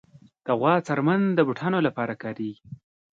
د غوا څرمن د بوټانو لپاره کارېږي.